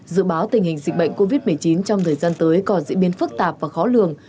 dự báo tình hình dịch bệnh covid một mươi chín trong thời gian tới còn diễn biến phức tạp và khó lường